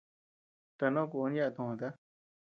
Tanoʼö kun yaʼa töota.